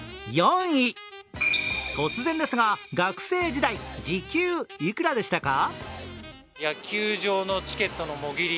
突然ですが、学生時代時給いくらでしたか？